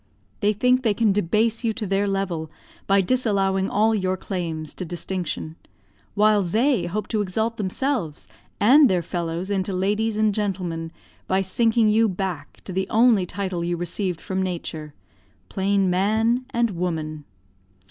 They think they can debase you to their level by disallowing all your claims to distinction; while they hope to exalt themselves and their fellows into ladies and gentlemen by sinking you back to the only title you received from Nature plain "man" and "woman."